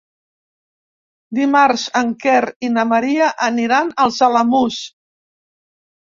Dimarts en Quer i na Maria aniran als Alamús.